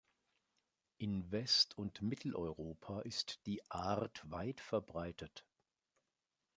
In West- und Mitteleuropa ist die Art weit verbreitet.